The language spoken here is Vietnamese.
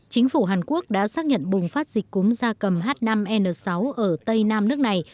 chính phủ hàn quốc đã xác nhận bùng phát dịch cúm da cầm h năm n sáu ở tây nam nước này